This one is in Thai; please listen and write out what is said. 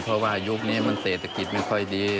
เพราะว่ายุคนี้มันเศรษฐกิจไม่ค่อยดี